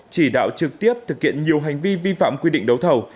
chỉ đạo trực tiếp thực hiện nhiều hành vi vi phạm quy định đấu thầu